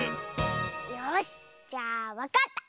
よしじゃあわかった！